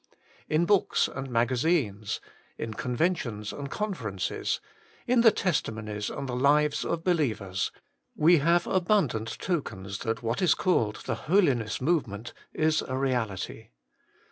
In books and magazines, in conventions and conferences, in the testimonies and the lives of believers, we have abundant tokens that what is called the Holiness movement is a reality.